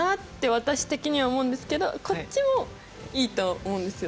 私的には思うんですけどこっちもいいと思うんですよ。